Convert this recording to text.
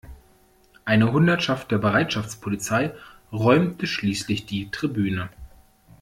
Eine Hundertschaft der Bereitschaftspolizei räumte schließlich die Tribüne.